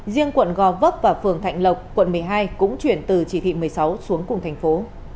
riêng quận gò vấp và phường thạnh lộc quận một mươi hai cũng chuyển từ chỉ thị một mươi sáu xuống cùng thành phố